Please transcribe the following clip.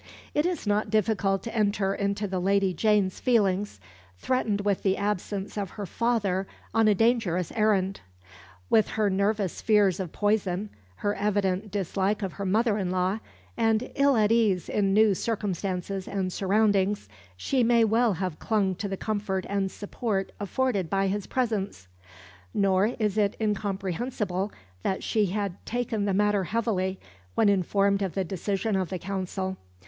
It is not difficult to enter into the Lady Jane's feelings, threatened with the absence of her father on a dangerous errand. With her nervous fears of poison, her evident dislike of her mother in law, and ill at ease in new circumstances and surroundings, she may well have clung to the comfort and support afforded by his presence; nor is it incomprehensible that she had "taken the matter heavily" when informed of the decision of the Council.